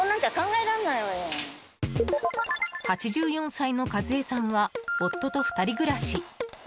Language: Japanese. ８４歳のカズエさんは夫と２人暮らし。